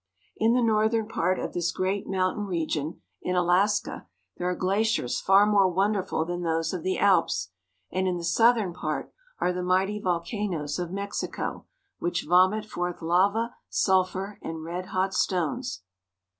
In the northern part of this great mountain region, in Alaska, there are glaciers far more wonderful than those of the Alps ; and in the southern part are the mighty volcanoes of Mexico, which vomit forth lava, sulphur, and red hot stones.